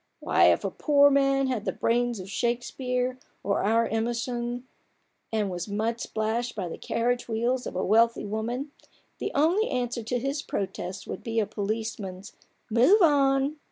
Why, if a poor man had the brains of Shakespeare, or our Emerson, and was mud splashed by the carriage wheels of a wealthy woman, the only answer to his protests would be a policeman's ' move on